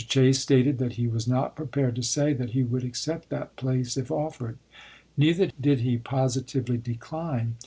Chase stated that he warden, "was not prepared to say that he would accept that salmon p. place if offered." Neither did he positively decline.